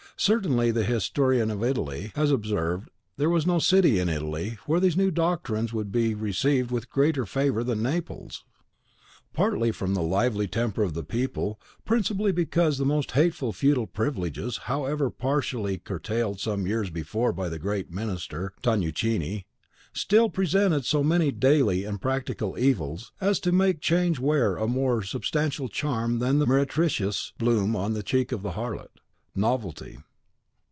Certainly, as the historian of Italy (Botta.) has observed, there was no city in Italy where these new doctrines would be received with greater favour than Naples, partly from the lively temper of the people, principally because the most hateful feudal privileges, however partially curtailed some years before by the great minister, Tanuccini, still presented so many daily and practical evils as to make change wear a more substantial charm than the mere and meretricious bloom on the cheek of the harlot, Novelty.